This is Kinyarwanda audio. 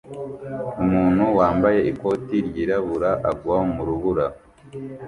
Umuntu wambaye ikoti ryirabura agwa mu rubura